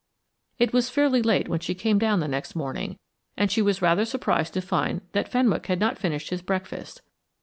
It was fairly late when she came down the next morning, and she was rather surprised to find that Fenwick had not finished his breakfast.